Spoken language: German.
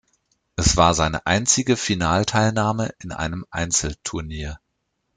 Es war seine einzige Finalteilnahme in einem Einzel-Turnier.